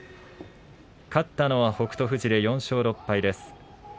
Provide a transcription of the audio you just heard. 勝ったのは北勝富士で４勝６敗です。